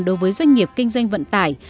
đối với doanh nghiệp kinh doanh vận tải